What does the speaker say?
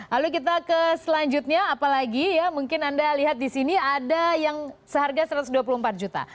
lalu kita ke selanjutnya apalagi ya mungkin anda lihat di sini ada yang seharga satu ratus dua puluh empat juta